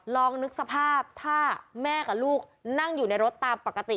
ลองนึกสภาพถ้าแม่กับลูกนั่งอยู่ในรถตามปกติ